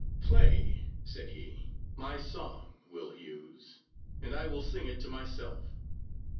"Play," said he, "my song, Will Hewes, and I will sing it to myself."